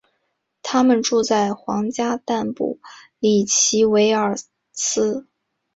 他们住在皇家坦布里奇韦尔斯。